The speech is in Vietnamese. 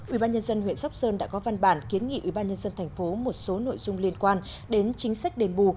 ubnd huyện sóc sơn đã có văn bản kiến nghị ubnd tp một số nội dung liên quan đến chính sách đền bù